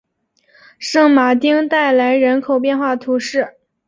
圣马丁代来人口变化图示